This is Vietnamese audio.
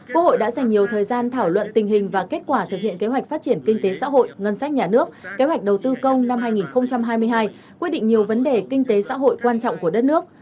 quốc hội đã dành nhiều thời gian thảo luận tình hình và kết quả thực hiện kế hoạch phát triển kinh tế xã hội ngân sách nhà nước kế hoạch đầu tư công năm hai nghìn hai mươi hai quyết định nhiều vấn đề kinh tế xã hội quan trọng của đất nước